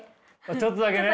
ちょっとだけね。